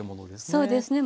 そうですね